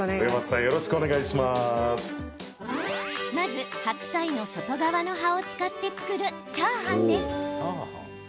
まず白菜の外側の葉を使って作るチャーハンです。